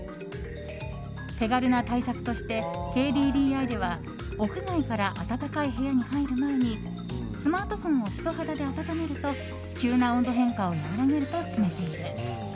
手軽な対策としてＫＤＤＩでは屋外から暖かい部屋に入る前にスマートフォンを人肌で温めると急な温度変化を和らげると勧めている。